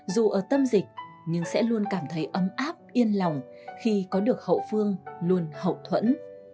dù ở tâm dịch nhưng sẽ luôn cảm thấy ấm áp yên lòng khi có được hậu phương luôn hậu thuẫn